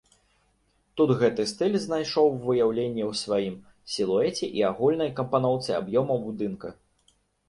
Тут гэты стыль знайшоў выяўленне ў сваім сілуэце і агульнай кампаноўцы аб'ёмаў будынка.